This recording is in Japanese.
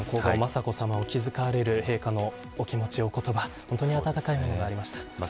皇后雅子さまを気遣われる陛下のお気持ちやお言葉温かいものがありました。